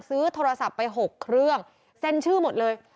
ซื้อโทรศัพท์ไป๖เครื่องเซ็นชื่อหมดเลย